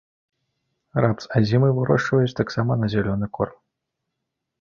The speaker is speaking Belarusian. Рапс азімы вырошчваюць таксама на зялёны корм.